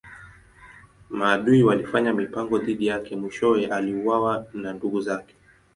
Maadui walifanya mipango dhidi yake mwishowe aliuawa na ndugu zake.